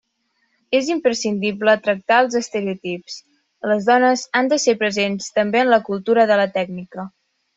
És imprescindible trencar els estereotips, les dones han de ser presents també en la cultura de la tècnica.